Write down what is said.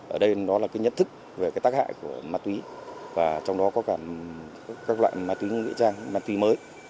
ở đây nó là cái nhận thức về cái tác hại của ma túy và trong đó có cả các loại ma túy nghĩa trang ma túy mới